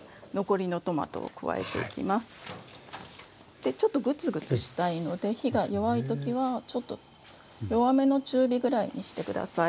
でちょっとグツグツしたいので火が弱い時はちょっと弱めの中火ぐらいにして下さい。